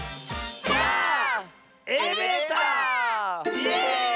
イエーイ！